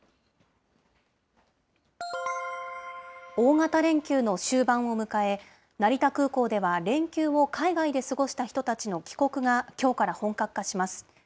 大型連休の終盤を迎え、成田空港では連休を海外で過ごした人たちの帰国がきょうから本格化します。